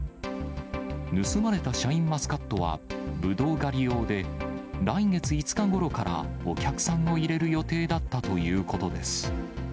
盗まれたシャインマスカットはブドウ狩り用で、来月５日ごろからお客さんを入れる予定だったということです。